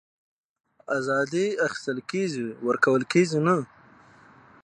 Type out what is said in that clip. آزادي اخيستل کېږي ورکول کېږي نه